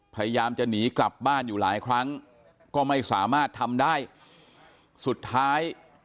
พยายามจะหนีกลับบ้านอยู่หลายครั้งก็ไม่สามารถทำได้สุดท้าย